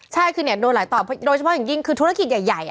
ใช่คือเนี่ยโดนหลายต่อโดยเฉพาะอย่างยิ่งคือธุรกิจใหญ่